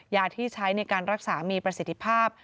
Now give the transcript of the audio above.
ยาที่ใช้ในการรักษามีประสิทธิภาพ